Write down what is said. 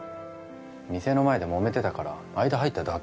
店の前でもめてたから間入っただけ